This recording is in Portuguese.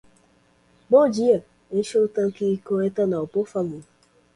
Bom dia, encha o tanque com etanol, por favor.